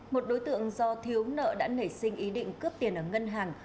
một đối tượng do thiếu nợ đã nảy sinh ý định cướp tiền ở ngân hàng